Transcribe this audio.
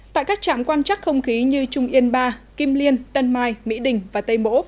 tại các trạm quan chắc không khí như trung yên ba kim liên tân mai mỹ đình và tây bỗ